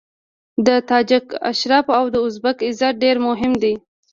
د تاجک شرف او د ازبک عزت ډېر مهم دی.